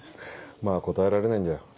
まぁ答えられないんだよ。